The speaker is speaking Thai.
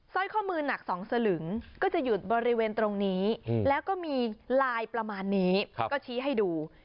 สร้อยข้อมือหนัก๒สลึงก็จะหยุดบริเวณตรงนี้แล้วก็มีลายประมาณนี้ก็ชี้ให้ดู